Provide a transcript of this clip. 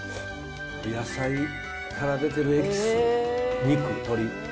野菜から出てるエキス、肉、鶏。